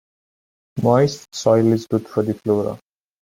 Moist soil is good for the flora.